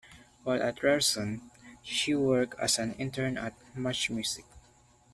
While at Ryerson, she worked as an intern at MuchMusic.